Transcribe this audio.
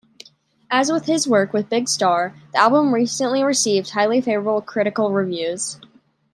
As with his work with Big Star, the album received highly favorable critical reviews.